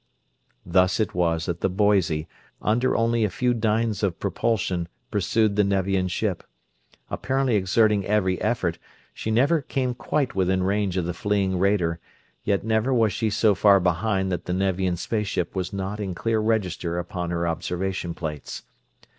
Thus it was that the Boise, under only a few dynes of propulsion, pursued the Nevian ship. Apparently exerting every effort, she never came quite within range of the fleeing raider; yet never was she so far behind that the Nevian space ship was not in clear register upon her observation plates.